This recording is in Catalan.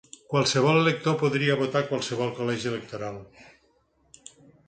Qualsevol elector podia votar a qualsevol col·legi electoral.